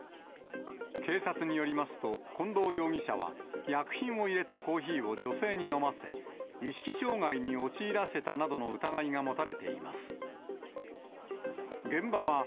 警察によりますと、近藤容疑者は、薬品を入れたコーヒーを女性に飲ませ、意識障害に陥らせたなどの疑いが持たれています。